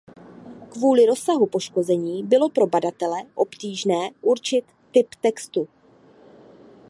Kvůli rozsahu poškození bylo pro badatele obtížné určit typ textu.